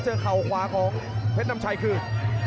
เข่าขวาของเพชรนำชัยคืน